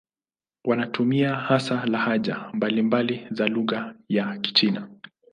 Wanatumia hasa lahaja mbalimbali za lugha ya Kichina.